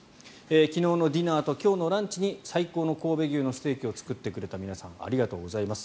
昨日のディナーと今日のランチに最高の神戸牛のステーキを作ってくれた皆さんありがとうございます